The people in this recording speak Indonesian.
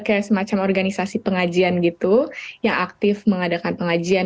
kayak semacam organisasi pengajian gitu yang aktif mengadakan pengajian